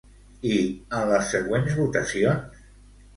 I en les següents votacions?